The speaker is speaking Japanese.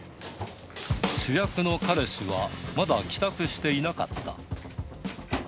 主役の彼氏はまだ帰宅していなかった。